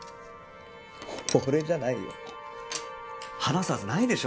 俺じゃないよ話すはずないでしょ